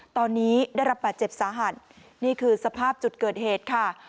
ตอนนี้ได้รับบาดเจ็บสาหัสนี่คือสภาพจุดเกิดเหตุค่ะ